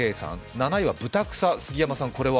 ７位はブタクサ、杉山さん、これは？